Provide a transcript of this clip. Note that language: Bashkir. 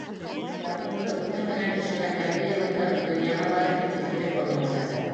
Ялҡынлы уты менән өшөгәндәрҙе йылытыр, донъяға бары тик изгелек орлоғо сәсер.